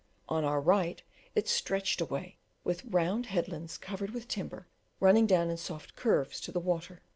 To our right it stretched away, with round headlands covered with timber running down in soft curves to the water.